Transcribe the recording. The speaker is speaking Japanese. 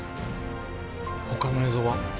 他の映像は？